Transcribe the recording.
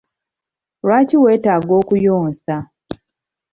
Lwaki wetaaga okuyonsa?